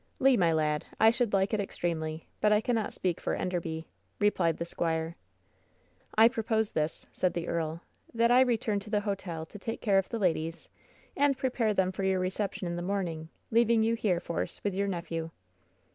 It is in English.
"Le, my lad, I should like it extremely, but I cannot speak for Enderby," replied the squire. "I propose this,'' said the earl — ^"that I return to the hotel to take care of the ladies, and prepare them for your reception in the morning, leaving you here, Force, with your nephew."